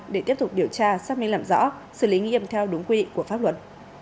để tiếp tục điều tra xác minh làm rõ xử lý nghiêm theo đúng quy định của pháp luật